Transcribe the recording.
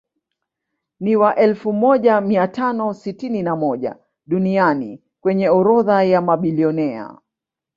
Ni wa elfu moja mia tano sitini na moja duniani kwenye orodha ya mabilionea